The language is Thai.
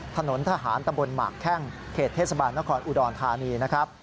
ถนนทหารตำบลหมากแข้งเขตเทศบาลนครอุดรธานีนะครับ